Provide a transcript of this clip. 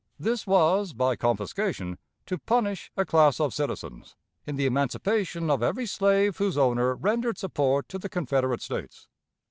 This was, by confiscation, to punish a class of citizens, in the emancipation of every slave whose owner rendered support to the Confederate States.